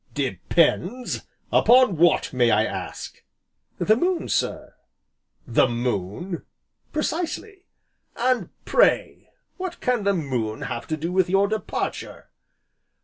"Depends! upon what, may I ask?" "The moon, sir." "The moon?" "Precisely!" "And pray what can the moon have to do with your departure?"